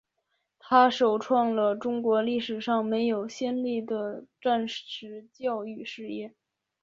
它首创了中国历史上没有先例的战时教育事业。